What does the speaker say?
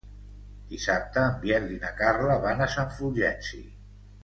Dissabte en Biel i na Carla van a Sant Fulgenci.